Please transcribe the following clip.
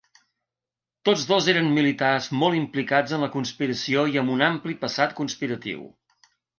Tots dos eren militars molt implicats en la conspiració i amb un ampli passat conspiratiu.